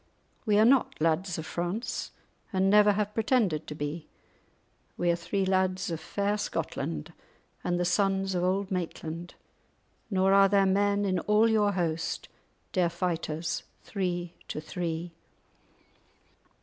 But we are not lads of France, and never have pretended to be; we are three lads of fair Scotland, and the sons of Auld Maitland, nor are there men in all your host dare fight us three to three."